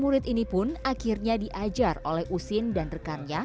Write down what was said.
empat puluh tujuh murid ini pun akhirnya diajar oleh usin dan rekannya